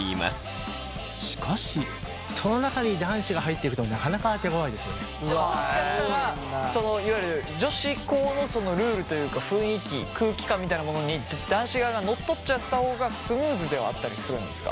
もしかしたらいわゆる女子校のルールというか雰囲気空気感みたいなものに男子側が乗っ取っちゃった方がスムーズではあったりするんですか？